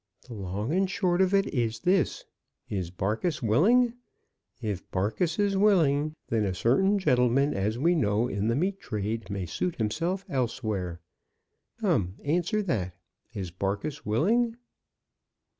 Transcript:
The long and short of it is this; is Barkis willing? If Barkis is willing, then a certain gentleman as we know in the meat trade may suit himself elsewhere. Come; answer that. Is Barkis willing?"